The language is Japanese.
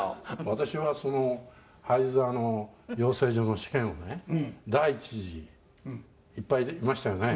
「私は俳優座の養成所の試験をね第１次いっぱいいましたよね？」